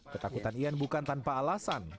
ketakutan ian bukan tanpa alasan